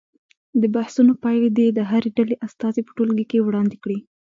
د بحثونو پایلې دې د هرې ډلې استازي په ټولګي کې وړاندې کړي.